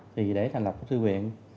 thì để thành lập thư viện